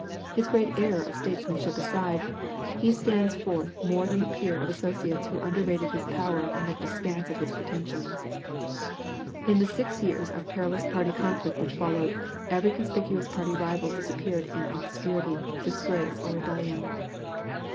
His great error of statesmanship aside, he stands forth more than the peer of associates who underrated his power and looked askance at his pretensions. In the six years of perilous party conflict which followed, every conspicuous party rival disappeared in obscurity, disgrace, or rebellion.